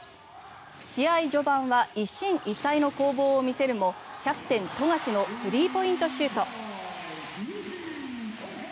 試合序盤は一進一退の攻防を見せるもキャプテン、富樫のスリーポイントシュート。